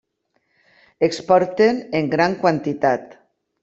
Exporten en gran quantitat.